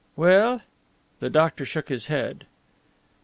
"Well?" The doctor shook his head.